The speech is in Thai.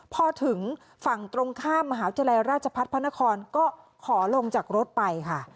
พอถึงฝั่งตรงข้ามมหาวิทยาลัยราชพัฒน์พระนครก็ขอลงจากรถไปค่ะ